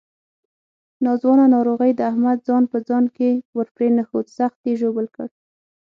ناځوانه ناروغۍ د احمد ځان په ځان کې ورپرېنښود، سخت یې ژوبل کړ.